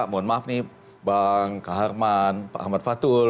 mohon maaf nih bang kak herman pak ahmad fatul